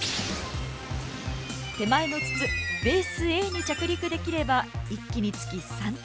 手前の筒ベースＡに着陸できれば１機につき３点。